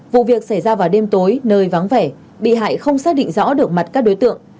vụ việc xảy ra vào đêm tối nơi vắng vẻ bị hại không xác định rõ được mặt các đối tượng